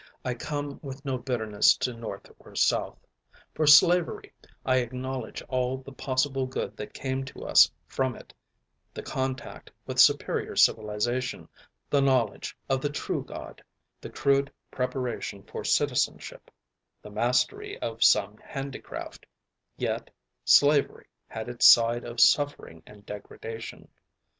I come with no bitterness to North or South. For slavery I acknowledge all the possible good that came to us from it; the contact with superior civilization, the knowledge of the true God, the crude preparation for citizenship, the mastery of some handicraft; yet, slavery had its side of suffering and degradation.